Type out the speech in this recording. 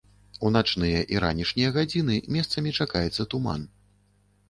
У начныя і ранішнія гадзіны месцамі чакаецца туман.